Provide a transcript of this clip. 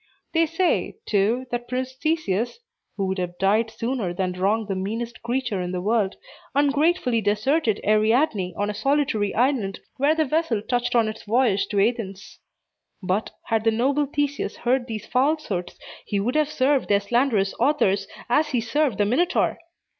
They say, too, that Prince Theseus (who would have died sooner than wrong the meanest creature in the world) ungratefully deserted Ariadne, on a solitary island, where the vessel touched on its voyage to Athens. But, had the noble Theseus heard these falsehoods, he would have served their slanderous authors as he served the Minotaur!